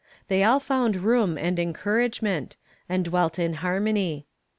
They all found room and encouragement, and dwelt in harmony.